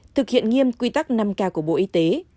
thực hiện nghiêm quy tắc năm k của bộ y tế